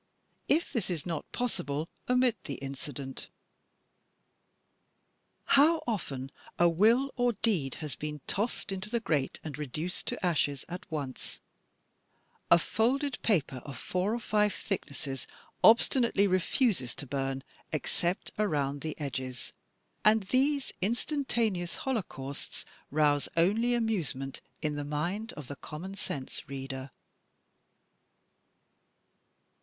If this is not possible, omit the incident. How often a will or a deed has been "tossed into the grate and reduced to ashes at once," A folded paper of four or five thicknesses obstinately refuses to bum, except around the edges, and these instantaneous holocausts rouse only amusement in the mind of the common sense reader.